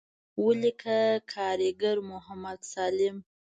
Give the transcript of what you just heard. وليکه کارګر محمد سالم.